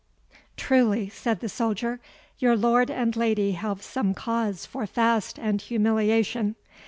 "Truly," said the soldier, "your lord and lady have some cause for fast and humiliation.